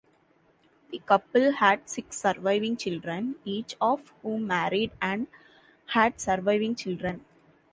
The couple had six surviving children, each of whom married and had surviving children.